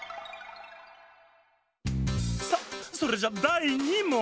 さあそれじゃだい２もん。